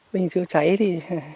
bình chưa cháy thì